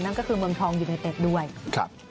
นั่นก็คือเมืองทองอยู่ในเต็กด้วย